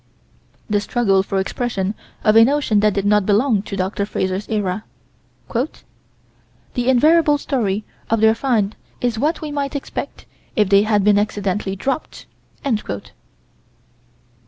The struggle for expression of a notion that did not belong to Dr. Frazer's era: "The invariable story of their find is what we might expect if they had been accidentally dropped...."